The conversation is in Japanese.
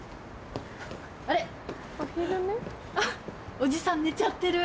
おじさん寝ちゃってる。